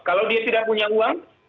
kalau dia tidak punya uang